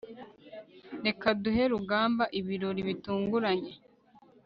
reka duhe rugamba ibirori bitunguranye